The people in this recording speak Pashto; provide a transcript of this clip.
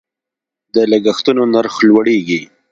د لګښتونو نرخ لوړیږي.